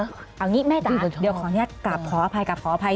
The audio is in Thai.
เอาอย่างนี้แม่ตาเดี๋ยวขออนุญาตกลับขออภัย